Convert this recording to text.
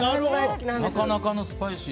なかなかのスパイシー。